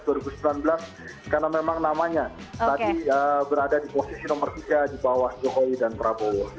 karena memang namanya tadi berada di posisi nomor tiga di bawah johoi dan prabowo